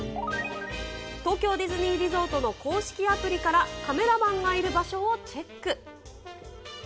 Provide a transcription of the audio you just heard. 東京ディズニーリゾートの公式アプリから、カメラマンがいる場所をチェック。